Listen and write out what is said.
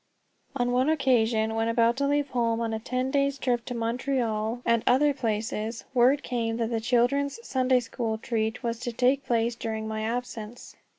On one occasion, when about to leave home on a ten days' trip to Montreal and other places, word came that the children's Sunday school treat was to take place during my absence.